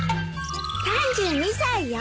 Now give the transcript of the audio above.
３２歳よ。